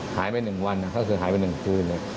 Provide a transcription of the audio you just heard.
หายไปหนึ่งวันเขาก็คือหายไปหนึ่งคืน